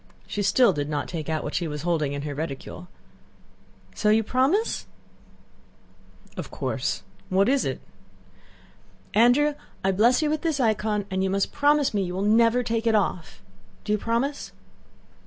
(She still did not take out what she was holding in her reticule.) "So you promise?" "Of course. What is it?" "Andrew, I bless you with this icon and you must promise me you will never take it off. Do you promise?"